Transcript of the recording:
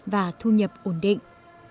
và thu nhập ổn định